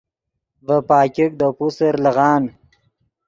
ڤے پاګیک دے پوسر لیغان